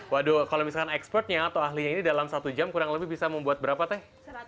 waduh kalau misalkan ekspertnya atau ahlinya ini dalam satu jam kurang lebih bisa membuat berapa teh